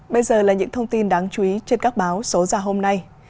bây giờ là những thông tin đáng chú ý trên các báo số ra hôm nay